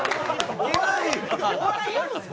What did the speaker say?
お笑いやるんですか？